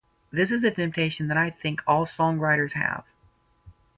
This is a temptation that I think all songwriters have.